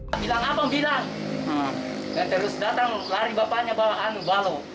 dan terus datang lari bapaknya bawa anu balo